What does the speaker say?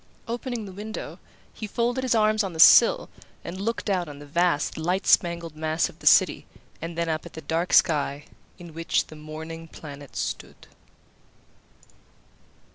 Opening the window, he folded his arms on the sill and looked out on the vast light spangled mass of the city, and then up at the dark sky, in which the morning planet stood.